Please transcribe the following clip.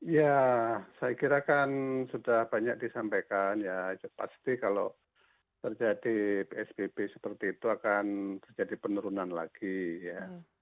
ya saya kira kan sudah banyak disampaikan ya pasti kalau terjadi psbb seperti itu akan terjadi penurunan lagi ya